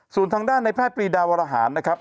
ส่วนทางด้านในแพทย์ปรีดาวรหารนะครับ